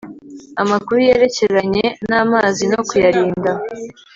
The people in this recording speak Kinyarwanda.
amakuru yerekeranye n'amazi no kuyarinda